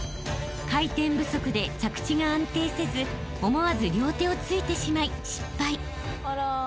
［回転不足で着地が安定せず思わず両手をついてしまい失敗］